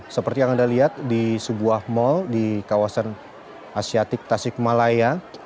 seperti yang anda lihat di sebuah mal di kawasan asiatik tasik malaya